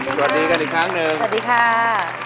สวัสดีกันอีกครั้งหนึ่งสวัสดีค่ะ